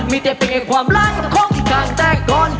มีเต็ดเป็นไงความร้ายข้าวของคือกลางแต่กรร